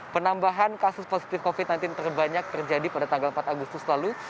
penambahan kasus positif covid sembilan belas terbanyak terjadi pada tanggal empat agustus lalu